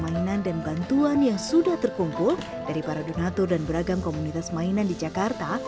mainan dan bantuan yang sudah terkumpul dari para donatur dan beragam komunitas mainan di jakarta